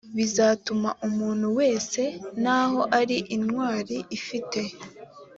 bizatuma umuntu wese naho ari intwari ifite